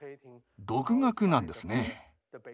独学なんですね。